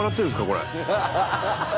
これ。